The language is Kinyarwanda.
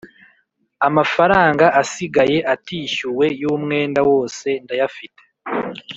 Amafaranga asigaye atishyuwe y’umwenda wose ndayafite